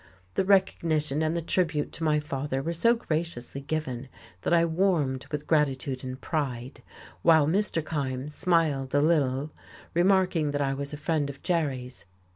The recognition and the tribute to my father were so graciously given that I warmed with gratitude and pride, while Mr. Kyme smiled a little, remarking that I was a friend of Jerry's.